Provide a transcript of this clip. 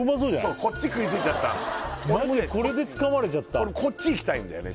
そうこっち食いついちゃったマジでこれでつかまれちゃった俺こっちいきたいんだよね